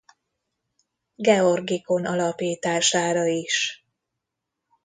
Georgikon alapítására is.